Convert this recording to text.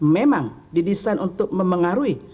memang didesain untuk memengaruhi